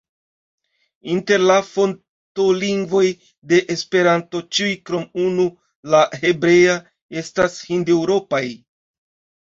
Inter la fontolingvoj de Esperanto ĉiuj krom unu, la hebrea, estas hindeŭropaj.